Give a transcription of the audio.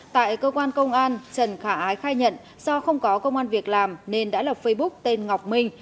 tại cơ quan công an trần khả ái khai nhận do không có công an việc làm nên đã lập facebook tên ngọc minh